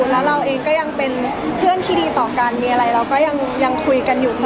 แล้วเราเองก็ยังเป็นเพื่อนที่ดีต่อกันมีอะไรเราก็ยังคุยกันอยู่